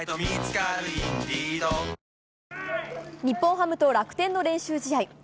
日本ハムと楽天の練習試合。